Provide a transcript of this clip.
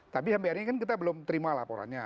tapi yang biarnya kita belum terima laporannya